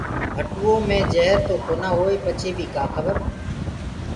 ڀٽوئو مي جهر تو ڪونآ هوئي پچي بي ڪآ کبر؟